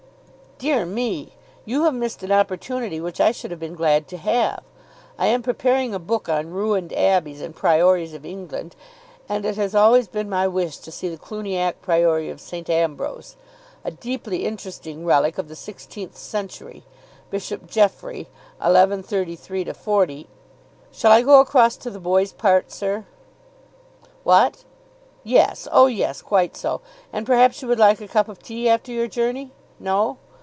"Dear me! You have missed an opportunity which I should have been glad to have. I am preparing a book on Ruined Abbeys and Priories of England, and it has always been my wish to see the Cluniac Priory of St. Ambrose. A deeply interesting relic of the sixteenth century. Bishop Geoffrey, 1133 40 " "Shall I go across to the boys' part, sir?" "What? Yes. Oh, yes. Quite so. And perhaps you would like a cup of tea after your journey? No?